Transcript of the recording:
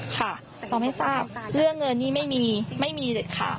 ค่ะเราไม่ทราบเรื่องเงินนี่ไม่มีไม่มีเลยค่ะ